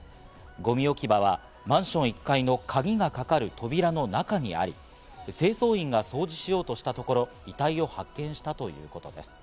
ゴミ置き場はマンション１階の鍵がかかる扉の中にあり、清掃員が掃除しようとしたところ、遺体を発見したということです。